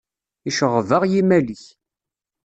Iceɣɣeb-aɣ yimal-ik.